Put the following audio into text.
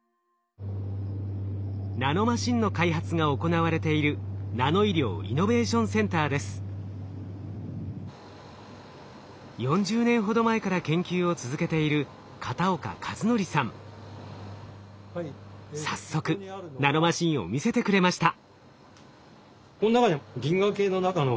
ナノマシンの開発が行われている４０年ほど前から研究を続けている早速ナノマシンを見せてくれました。